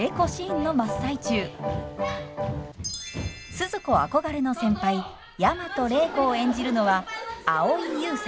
スズ子憧れの先輩大和礼子を演じるのは蒼井優さん。